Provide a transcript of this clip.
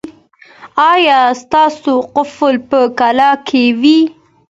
ایا ستاسو قفل به کلک وي؟